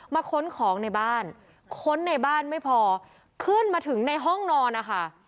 ค้นของในบ้านค้นในบ้านไม่พอขึ้นมาถึงในห้องนอนนะคะ